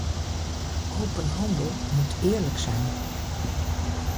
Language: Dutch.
Open handel moet eerlijk zijn.